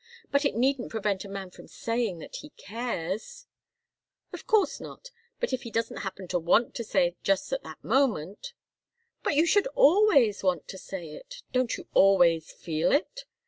But it needn't prevent a man from saying that he cares " "Of course not but if he doesn't happen to want to say it just at that moment " "But you should always want to say it. Don't you always feel it?"